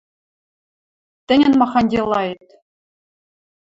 Тӹньӹн махань делаэт!